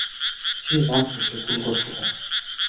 সে জানত সে ভুল করছিল।